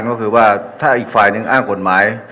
ก็คือว่าถ้าอีกฝ่ายหนึ่งอ้างกฎหมาย